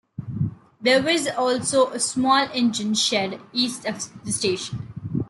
There was also a small engine shed east of the station.